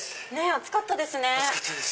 暑かったです。